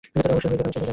অবশ্যই হয়ে যাবে।